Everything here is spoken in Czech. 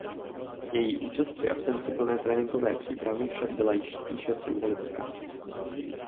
Její účast při absenci plné tréninkové přípravy však byla již spíše symbolická.